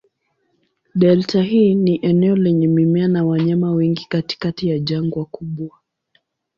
Delta hii ni eneo lenye mimea na wanyama wengi katikati ya jangwa kubwa.